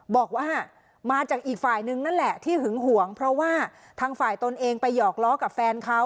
บอกว่ามาจากอีกฝ่ายนึงนั่นแหละที่หึงหวงเพราะว่าทางฝ่ายตนเองไปหยอกล้อกับแฟนเขา